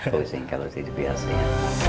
pusing kalau tidak biasa ya